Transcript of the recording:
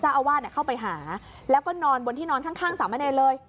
เจ้าอาวาสเนี่ยเข้าไปหาแล้วก็นอนบนที่นอนข้างข้างสามเมรินเลย